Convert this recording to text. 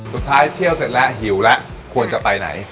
เที่ยวเสร็จแล้วหิวแล้วควรจะไปไหน